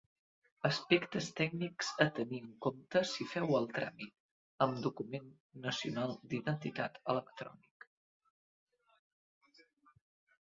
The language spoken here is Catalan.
Aspectes tècnics a tenir en compte si feu el tràmit amb document nacional d'identitat electrònic.